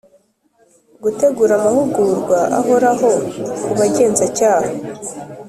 Gutegura amahugurwa ahoraho ku Bagenzacyaha